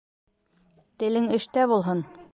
Телең эштә булһын.